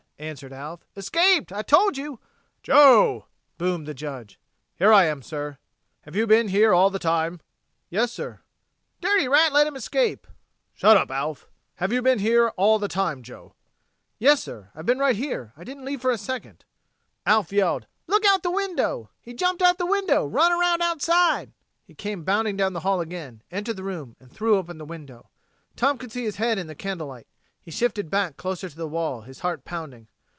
answered Alf. "Escaped! I told you...." "Joe!" boomed the Judge. "Here I am, sir." "Have you been here all the time?" "Yes, sir." "The dirty rat let him escape...." "Shut up, Alf! Have you been here all the time, Joe?" "Yes, sir. I've been right here, sir. I didn't leave for a second." Alf yelled: "Look out the window! He jumped out the window! Run around outside!" He came bounding down the hall again, entered the room, and threw open the window. Tom could see his head in the candle light. He shifted back closer to the wall, his heart pounding.